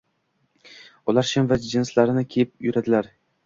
Ular shim va jinsilarni kiyib yuradilar.